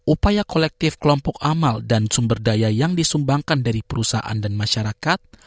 upaya kolektif kelompok amal dan sumber daya yang disumbangkan dari perusahaan dan masyarakat